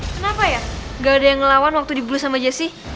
kenapa ya gak ada yang ngelawan waktu dibulu sama jessi